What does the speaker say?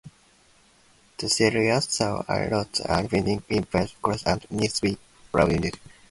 The series saw lots of fighting involving Bert Corbeau and Newsy Lalonde.